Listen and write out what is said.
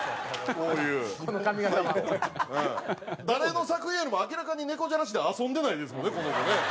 誰の作品よりも明らかに猫じゃらしで遊んでないですもんね